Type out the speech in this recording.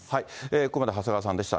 ここまで長谷川さんでした。